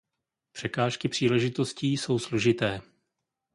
Překážky příležitostí jsou složité.